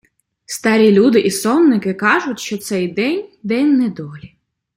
Старі люди і сонники кажуть, що цей день — день недолі.